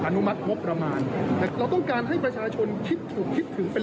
อนุมัติงบประมาณแต่เราต้องการให้ประชาชนคิดถูกคิดถึงเป็น